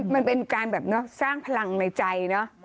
มันเป็นการแบบสร้างพลังในใจเนอะ